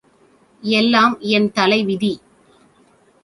எல்லாம் என் தலைவிதி.